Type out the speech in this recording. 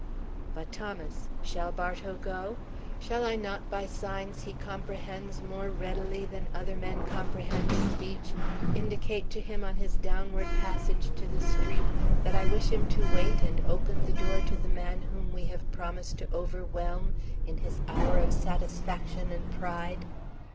But Thomas, shall Bartow go? Shall I not by signs he comprehends more readily than other men comprehend speech indicate to him on his downward passage to the street that I wish him to wait and open the door to the man whom we have promised to overwhelm in his hour of satisfaction and pride?